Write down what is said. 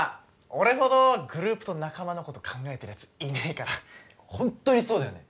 俺ほどグループと仲間のこと考えてるやついねえからホントにそうだよね